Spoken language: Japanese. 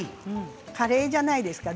カレーじゃないですか。